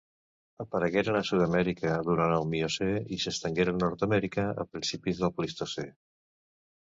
Aparegueren a Sud-amèrica durant el Miocè i s'estengueren a Nord-amèrica a principis del Plistocè.